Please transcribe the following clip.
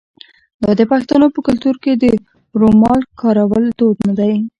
آیا د پښتنو په کلتور کې د رومال کارول دود نه دی؟